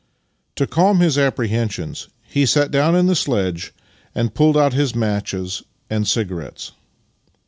To calm his apprehensions, he sat down in the sledge and pulled out his matches and cigarettes.